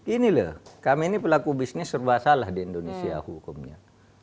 ini loh kami ini pelaku bisnis serba salah di indonesia hukumnya